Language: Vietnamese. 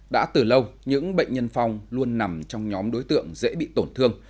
đã từ lâu những bệnh nhân phong luôn nằm trong nhóm đối tượng dễ bị tổn thương